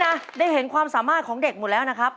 ได้เห็นความสามารถของเด็กหมดแล้วนะครับ